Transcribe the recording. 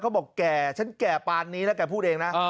บอกแก่ฉันแก่ปานนี้แล้วแกพูดเองนะ